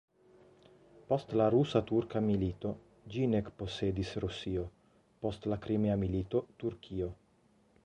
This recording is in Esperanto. Post la rusa-turka milito, ĝin ekposedis Rusio, post la Krimea milito Turkio.